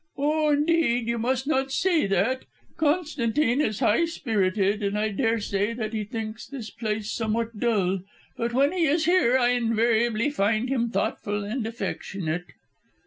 "Oh, indeed, you must not say that. Constantine is high spirited, and I daresay that he thinks this place somewhat dull. But when he is here I invariably find him thoughtful and affectionate."